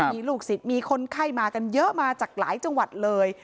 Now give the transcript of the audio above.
มีลูกศิษย์มีคนไข้มากันเยอะมาจากหลายจังหวัดเลย